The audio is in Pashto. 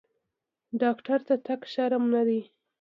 ډاکټر ته تګ شرم نه دی۔